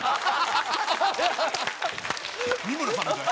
三村さんみたい。